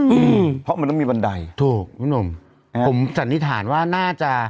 อืมเพราะมันต้องมีบันไดถูกพี่หนุ่มอ่าผมสันนิษฐานว่าน่าจะ